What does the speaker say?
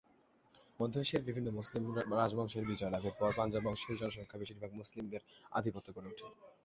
মধ্য এশিয়ার বিভিন্ন মুসলিম রাজবংশের বিজয় লাভের পর পাঞ্জাব অঞ্চলের জনসংখ্যা বেশিরভাগ মুসলিমদের আধিপত্য গড়ে ওঠে।